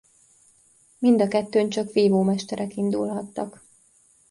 Mind a kettőn csak vívómesterek indulhattak.